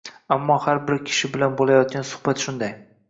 Ammo har bir kishi bilan boʻlayotgan suhbat shunday.